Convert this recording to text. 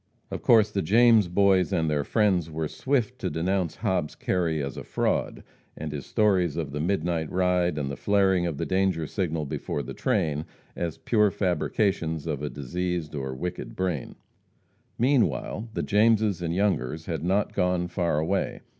Of course the James Boys and their friends were swift to denounce Hobbs Kerry as a fraud, and his stories of the midnight ride and the flaring of the "danger signal" before the train, as pure fabrications of a diseased or wicked brain. Meanwhile, the Jameses and Youngers had not gone far away.